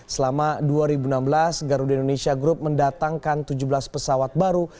selama dua ribu enam belas garuda indonesia group mendatangkan tujuh belas pesawat baru